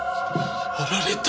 やられた！